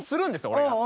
俺が。